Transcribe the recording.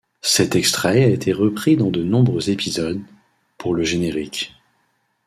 Cet extrait a été repris dans de nombreux épisodes, pour le générique.